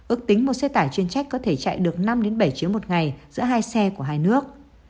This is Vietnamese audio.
ước tính một xe tải chuyên trách có thể chạy được năm bảy chiếu một ngày giữa hai xe của hai nước